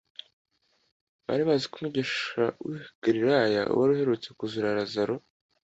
Bari bazi ko Umwigisha w'i Galilaya wari uherutse kuzura Lazaro,